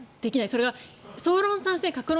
それが総論賛成各論